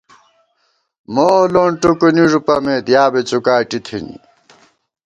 مو لون ٹُکُونی ݫُپَمېت، یا بی څُکاٹی تھنی